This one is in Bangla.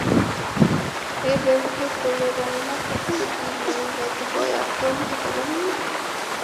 এটি ব্যবহার করলে রান্না করতে গিয়ে নারীরা ধোঁয়ায় আক্রান্ত হবেন না।